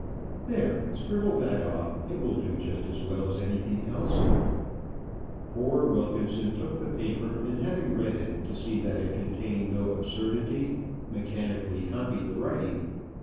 "There, scribble that off; it will do just as well as anything else." Poor Wilkinson took the paper, and having read it, to see that it contained no absurdity, mechanically copied the writing.